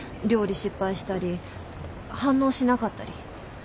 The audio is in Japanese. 料理失敗したり反応しなかったり。